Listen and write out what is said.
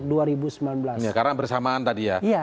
karena kita harus mengatakan kepentingan kita